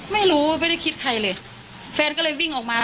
ไม่รู้ไม่ได้คิดใครเลยแฟนก็เลยวิ่งออกมา